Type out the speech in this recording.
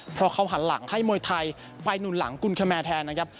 เพราะเขาหันหลังให้มวยไทยไปหนุนหลังกุลคแมร์แทนนะครับ